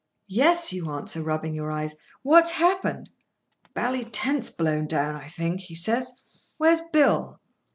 "Yes," you answer, rubbing your eyes; "what's happened?" "Bally tent's blown down, I think," he says. "Where's Bill?"